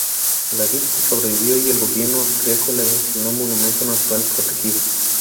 La vid sobrevivió y el gobierno austríaco la designó monumento natural protegido.